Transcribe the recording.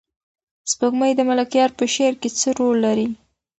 سپوږمۍ د ملکیار په شعر کې څه رول لري؟